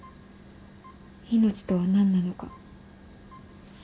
命とは何なのか。